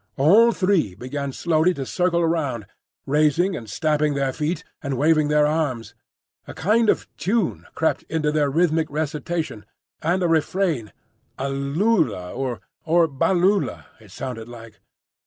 All three began slowly to circle round, raising and stamping their feet and waving their arms; a kind of tune crept into their rhythmic recitation, and a refrain,—"Aloola," or "Balloola," it sounded like.